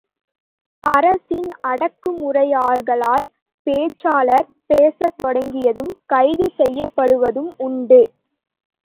அரசின் அடக்குமுறையாளர்களால், பேச்சாளர், பேசத் தொடங்கியதும், கைது செய்யப்படுவதும் உண்டு.